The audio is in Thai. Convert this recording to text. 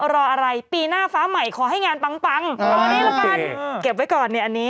รออะไรปีหน้าฟ้าใหม่ขอให้งานปังปังรอนี้ละกันเก็บไว้ก่อนเนี่ยอันนี้